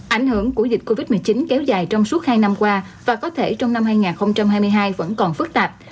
ảnh hưởng của dịch covid một mươi chín kéo dài trong suốt hai năm qua và có thể trong năm hai nghìn hai mươi hai vẫn còn phức tạp